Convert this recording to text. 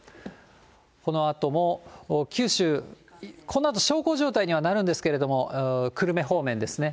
このあとも九州、このあと小康状態にはなるんですけれども、久留米方面ですね。